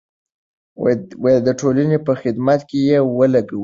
د ټولنې په خدمت کې یې ولګوئ.